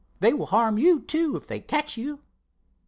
They will harm you, too, if they catch you."